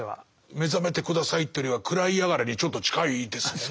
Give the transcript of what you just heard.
「目覚めて下さい」っていうよりは「食らいやがれ」にちょっと近いですもんね。